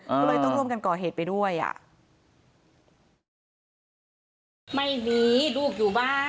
ก็เลยต้องร่วมกันก่อเหตุไปด้วย